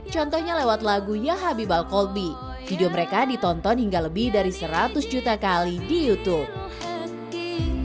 contohnya lewat lagu ya habibal kolbi video mereka ditonton hingga lebih dari seratus juta kali di youtube